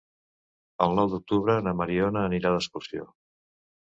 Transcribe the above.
El nou d'octubre na Mariona anirà d'excursió.